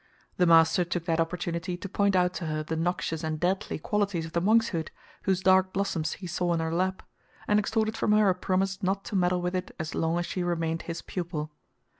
The master took that opportunity to point out to her the noxious and deadly qualities of the monkshood, whose dark blossoms he saw in her lap, and extorted from her a promise not to meddle with it as long as she remained his pupil.